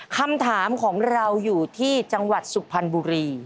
คำถามของเราอยู่ที่จังหวัดสุพรรณบุรี